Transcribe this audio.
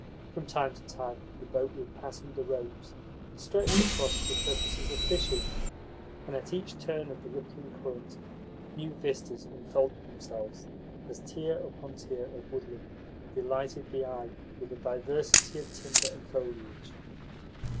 From time to time the boat would pass under ropes, stretched across for purposes of fishing, and at each turn of the rippling current new vistas unfolded themselves as tier upon tier of woodland delighted the eye with a diversity of timber and foliage.